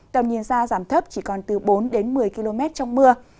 tầm nhìn xa giảm thấp chỉ còn từ bốn đến một mươi km trong mưa